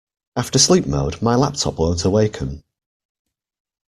After sleep mode, my laptop won't awaken.